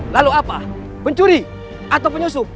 lalu apa pencuri atau penyusup